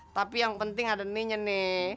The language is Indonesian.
tapi yang penting ada ninya nih